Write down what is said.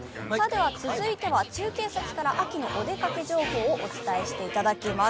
続いては中継先から秋のお出かけ情報をお伝えしていきます。